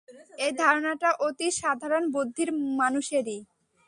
এই ধারণাটা অতি সাধারণ বুদ্ধির মানুষেরই।